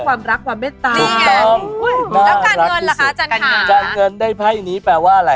อาจารย์ทำการการรักความมืดตา